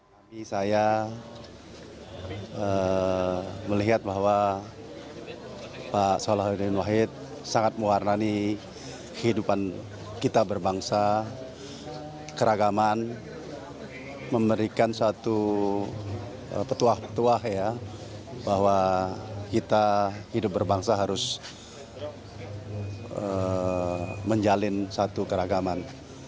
kami saya melihat bahwa pak salahuddin wahid sangat mewarani kehidupan kita berbangsa keragaman memberikan satu petuah petuah ya bahwa kita hidup berbangsa harus menjalin satu keragaman